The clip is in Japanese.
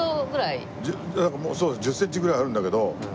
そう１０センチぐらいあるんだけど。